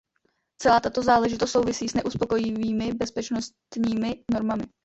Celá tato záležitost souvisí s neuspokojivými bezpečnostními normami.